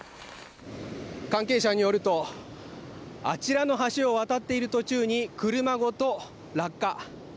関係者によるとあちらの橋を渡っている途中に車ごと落下。